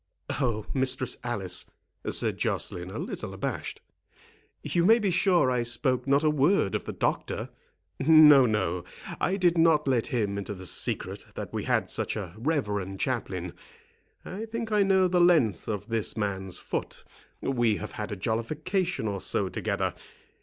"Oh, Mistress Alice," said Joceline, a little abashed, "you may be sure I spoke not a word of the doctor—No, no—I did not let him into the secret that we had such a reverend chaplain.—I think I know the length of this man's foot. We have had a jollification or so together.